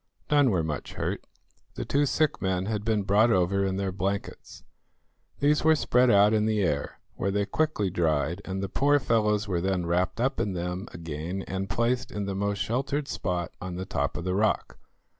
None were much hurt. The two sick men had been brought over in their blankets. These were spread out in the air, where they quickly dried, and the poor fellows were then wrapped up in them again and placed in the most sheltered spot on the top of the rock.